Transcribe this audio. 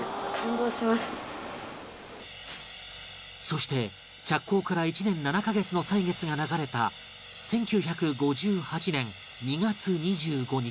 そして着工から１年７カ月の歳月が流れた１９５８年２月２５日